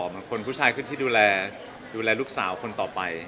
มันคนผู้ชายคือที่ดูแลลูกสาวคนต่อไป